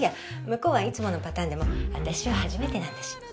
向こうはいつものパターンでも私は初めてなんだし。